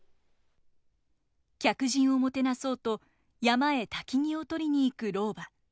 客人をもてなそうと山へ薪を取りに行く老婆。